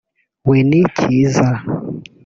Winnie Kiiza